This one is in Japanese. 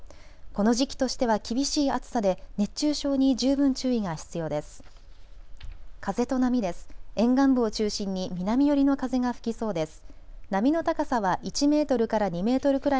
この時期としては厳しい暑さで熱中症に十分注意が必要です。